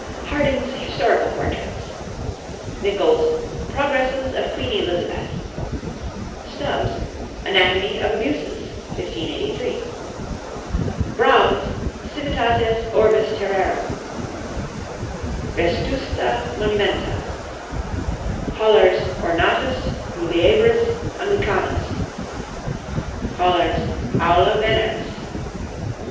Harding's 'Historical Portraits.' Nichols's 'Progresses of Queen Elizabeth.' Stubbes's 'Anatomie of Abuses,' 1583. Braun's 'Civitates orbis terrarum.' 'Vestusta Monumenta.' Hollar's 'Ornatus Muliebris Anglicanus.' Hollar's 'Aula Veneris.'